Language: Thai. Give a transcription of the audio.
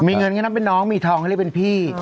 มีเงินก็ได้น้ำเป็นน้องมีทองก็ได้เรียกเป็นพี่